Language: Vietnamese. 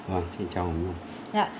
vâng xin chào ông ạ